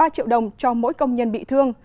ba triệu đồng cho mỗi công nhân bị thương